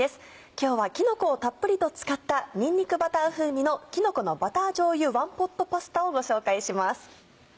今日はきのこをたっぷりと使ったにんにくバター風味の「きのこのバターじょうゆワンポットパスタ」をご紹介します。